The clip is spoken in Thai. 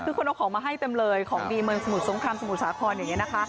คือคนเอาของมาให้เต็มเลยของดีเมืองสมุทรสงครามสมุทรสาครอย่างนี้นะคะ